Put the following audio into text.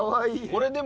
これでも。